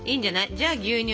じゃあ牛乳です。